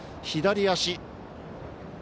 左足。